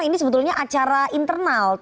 ini sebetulnya acara internal